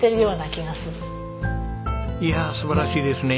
いやあ素晴らしいですね。